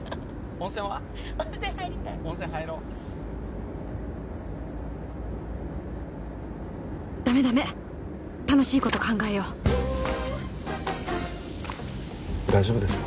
温泉入りたい温泉入ろうダメダメ楽しいこと考えよう大丈夫ですか？